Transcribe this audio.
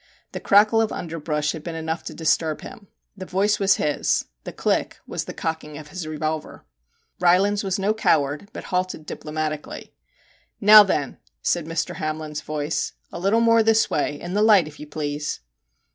The crackle of underbrush had been enough to disturb him. The voice was his ; the click was the cocking of his revolver. Rylands was no coward, but halted diplo matically. * Now then/ said Mr. Hamlin's voice, 'a little more this way, in the light, if you please